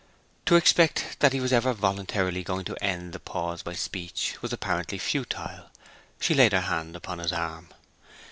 To expect that he was ever voluntarily going to end the pause by speech was apparently futile. She laid her hand upon his arm.